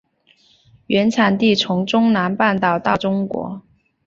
原产地从中南半岛到中国。